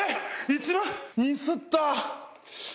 一番ミスった！